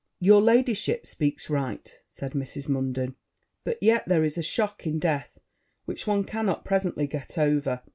'Your ladyship speaks right,' said Mrs. Munden: 'but yet there is a shock in death which one cannot presently get over.'